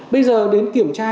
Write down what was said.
bây giờ đến kiểm tra